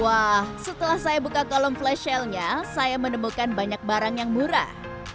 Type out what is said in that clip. wah setelah saya buka kolom flash sale nya saya menemukan banyak barang yang murah